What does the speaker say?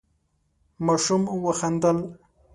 ماشوم وخندل.